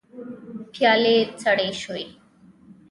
پيالې سړې شوې.